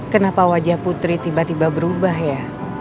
kenapa wajah putri tiba tiba berubah ya